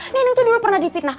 neno tuh dulu pernah dipitnah